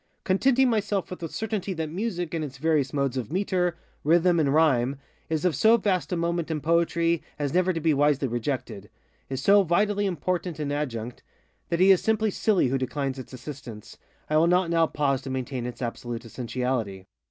Contenting myself with the certainty that Music, in its various modes of metre, rhythm, and rhyme, is of so vast a moment in Poetry as never to be wisely rejectedŌĆöis so vitally important an adjunct, that he is simply silly who declines its assistance, I will not now pause to maintain its absolute essentiality.